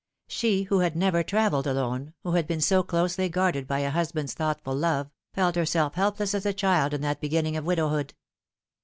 She who had never travelled alone, who had been so closely guarded by a husband's thoughtful love, felt herself helpless as a child in that beginning of widowhood.